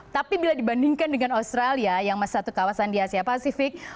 tapi bila dibandingkan dengan australia yang satu kawasan di asia pasifik